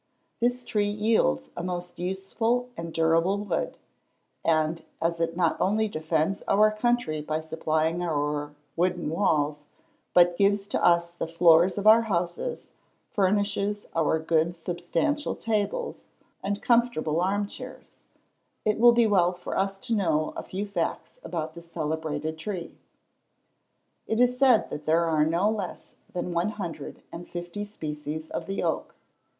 This tree yields a most useful and durable wood, and as it not only defends our country by supplying our "wooden walls," but gives to us the floors of our houses, furnishes our good substantial tables, and comfortable arm chairs, it will be well for us to know a few facts about this celebrated tree. It is said that there are no less than one hundred and fifty species of the oak.